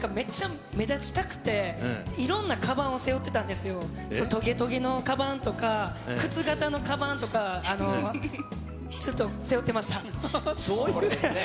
僕もなんかめっちゃ目立ちたくて、いろんなかばんを背負ってたんですよ、とげとげのかばんとか、靴型のかばんとか、ずっと背負ってました。